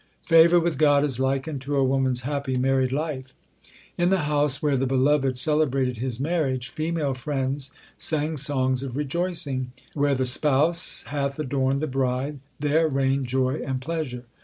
Favour with God is likened to a woman s happy married life : In the house where the Beloved celebrated His marriage Female friends sang songs of rejoicing, Where the Spouse hath adorned the bride, there reign joy and pleasure.